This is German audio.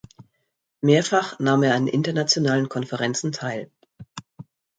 Mehrfach nahm er an internationalen Konferenzen teil.